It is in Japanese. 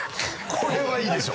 これはいいでしょ！